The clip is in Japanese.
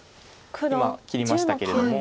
今切りましたけれども。